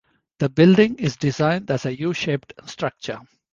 The building is designed as a U-shaped structure.